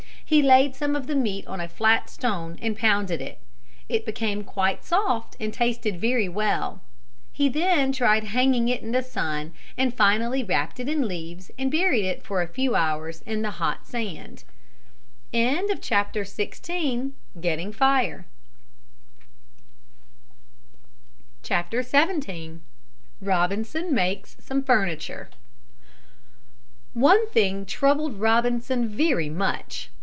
He laid some of the meat on a flat stone and pounded it. It became quite soft and tasted very well. He then tried hanging it in the sun and finally wrapped it in leaves and buried it for a few hours in the hot sand. XVII ROBINSON MAKES SOME FURNITURE One thing troubled Robinson very much.